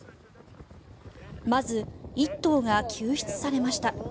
まず、１頭が救出されました。